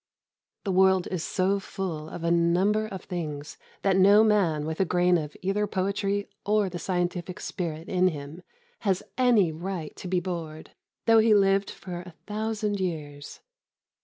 The world is so full of a number of things that no man with a grain of either poetry or the scientific spirit in him has any right to be bored, though he lived for a thousand years.